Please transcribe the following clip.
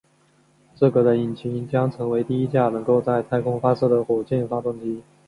这个的引擎将成为第一架能够在太空发射的火箭发动机。